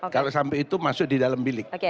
kalau sampai itu masuk di dalam bilik